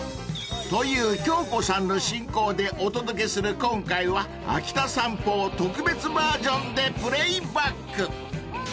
［という京子さんの進行でお届けする今回は秋田『さんぽ』を特別バージョンでプレーバック］